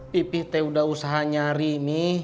pipi teh udah usaha nyari mi